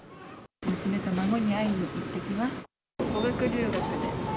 娘と孫に会いに行ってきます。